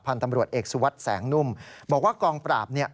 ตำรวจเอกสุวัสดิ์แสงนุ่มบอกว่ากองปราบเนี่ย